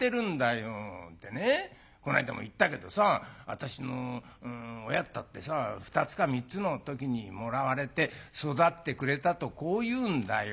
でねこないだも言ったけどさ私の親ったってさ２つか３つの時にもらわれて育ててくれたとこう言うんだよ。